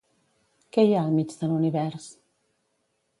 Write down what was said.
Què hi ha al mig de l'univers?